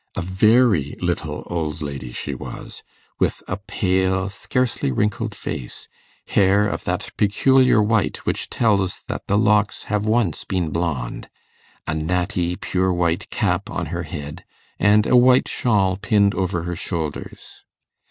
A very little old lady she was, with a pale, scarcely wrinkled face, hair of that peculiar white which tells that the locks have once been blond, a natty pure white cap on her head, and a white shawl pinned over her shoulders.